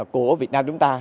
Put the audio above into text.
của việt nam chúng ta